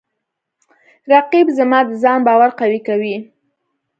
رقیب زما د ځان باور قوی کوي